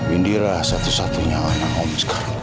indira satu satunya anak om sekarang